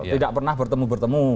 tidak pernah bertemu bertemu